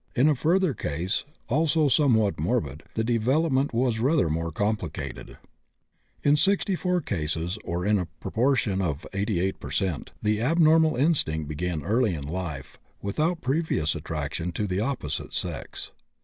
In a further case, also somewhat morbid, the development was rather more complicated. In 64 cases, or in a proportion of 88 per cent., the abnormal instinct began in early life, without previous attraction to the opposite sex.